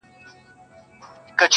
همېشه پر حیوانانو مهربان دی,